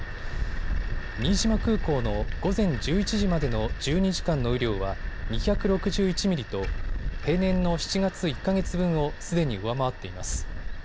新島空港の午前１１時までの１２時間の雨量は２６１ミリと平年の７月１か月分をすでに上回っています。